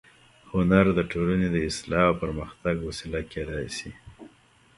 هنر د ټولنې د اصلاح او پرمختګ وسیله کېدای شي